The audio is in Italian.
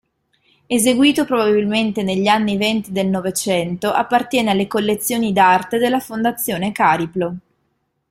Eseguito probabilmente negli anni venti del novecento, appartiene alle collezioni d'arte della Fondazione Cariplo.